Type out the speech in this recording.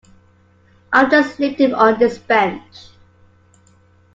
I'll just leave them on this bench.